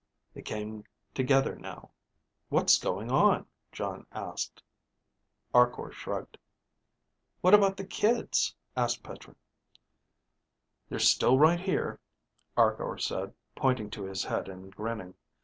They came together now. "What's going on?" Jon asked. Arkor shrugged. "What about the kids?" asked Petra. "They're still right here," Arkor said, pointing to his head and grinning.